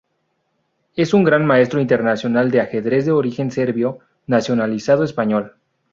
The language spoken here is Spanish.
Es un Gran Maestro Internacional de ajedrez de origen serbio, nacionalizado español.